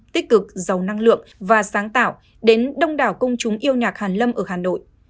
tích cực giàu năng lượng và sáng tạo đến đông đảo công chúng yêu nhạc hàn lâm ở hà nội